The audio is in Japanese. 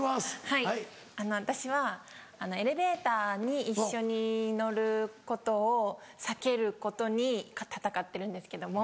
はい私はエレベーターに一緒に乗ることを避けることに戦ってるんですけども。